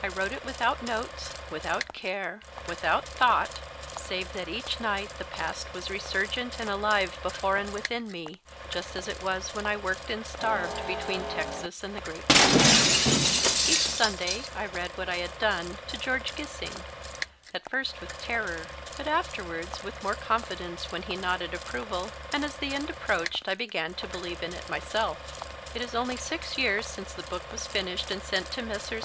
I wrote it without notes, I MARRIED THEM ALL OFF AT THE END MO R LEY ROBERTS 183 without care, without thought, save that each night the past was resurgent and alive before and within me, just as it was when I worked and starved between Texas and the great North west. Each Sunday I read what I had done to George Gissing ; at first with terror, but afterwards with more confi dence when he nodded approval, and as the end approached I began to believe in it myself. It is only six years since the book was finished and sent to Messrs.